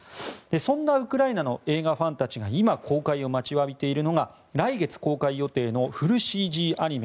そんなウクライナの映画ファンたちが今、公開を待ちわびているのが来月公開予定のフルＣＧアニメ